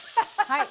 はい。